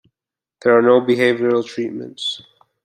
There are no behavioral treatments.